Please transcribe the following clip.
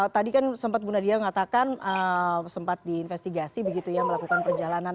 tadi kan sempat bu nadia mengatakan sempat diinvestigasi begitu ya melakukan perjalanan